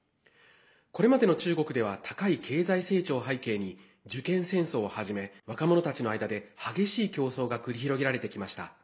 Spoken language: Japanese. これまでの中国では高い経済成長を背景に受験戦争をはじめ若者たちの間で激しい競争が繰り広げられてきました。